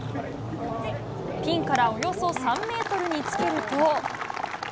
ピンからおよそ３メートルにつけると。